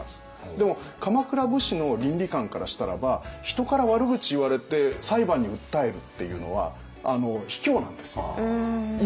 でも鎌倉武士の倫理観からしたらば人から悪口言われて裁判に訴えるっていうのは卑怯なんですよ。